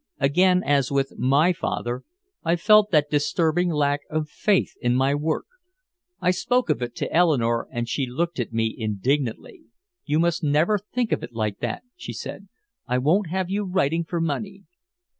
Again, as with my father, I felt that disturbing lack of faith in my work. I spoke of it to Eleanore and she looked at me indignantly. "You must never think of it like that," she said. "I won't have you writing for money.